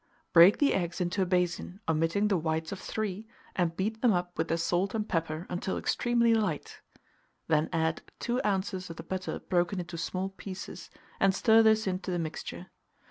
Break the eggs into a basin, omitting the whites of 3, and beat them up with the salt and pepper until extremely light; then add 2 oz. of the butter broken into small pieces, and stir this into the mixture.